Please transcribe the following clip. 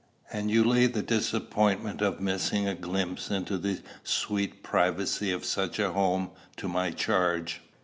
"And you lay the disappointment of missing a glimpse into the sweet privacy of such a home to my charge?"